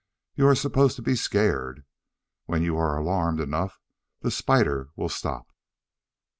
You are supposed to be scared. When you are alarmed enough, the spider will stop.